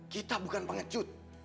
kita bukan pengecut